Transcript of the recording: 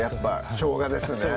しょうがですね